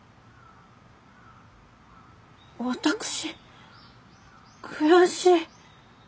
私悔しい。